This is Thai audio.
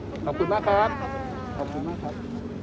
ขอบคุณมากครับขอบคุณมากครับ